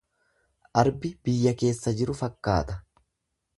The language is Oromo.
Arbi biyya keessa jiru fakkaata.